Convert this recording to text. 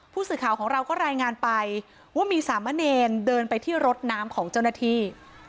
ผู้สื่อข่าวของเราก็รายงานไปว่ามีสามะเนรเดินไปที่รถน้ำของเจ้าหน้าที่